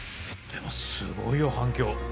でもすごいよ反響！